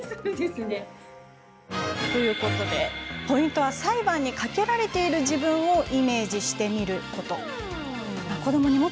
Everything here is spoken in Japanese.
ポイントは裁判にかけられている自分をイメージしてみること。